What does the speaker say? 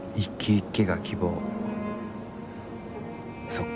そっか。